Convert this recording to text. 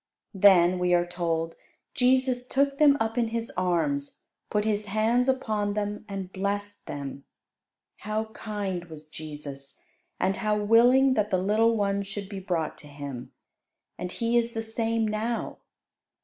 Then, we are told, Jesus "took them up in His arms, put His hands upon them, and blessed them." How kind was Jesus! and how willing that the little ones should be brought to Him! And He is the same now.